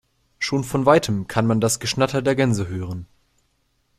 Schon von weitem kann man das Geschnatter der Gänse hören.